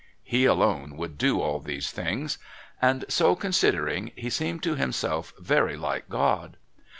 He alone would do all these things. And, so considering, he seemed to himself very like God.